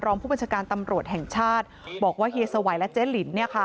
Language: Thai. ผู้บัญชาการตำรวจแห่งชาติบอกว่าเฮียสวัยและเจ๊ลิน